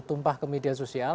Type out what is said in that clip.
tumpah ke media sosial